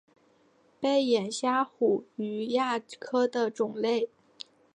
背眼虾虎鱼亚科的种类。